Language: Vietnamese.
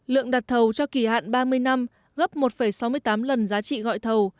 lượng đặt thầu cho kỳ hạn ba mươi năm gấp một sáu mươi tám lần giá trị gọi thầu